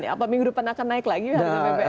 apa minggu depan akan naik lagi harga bbm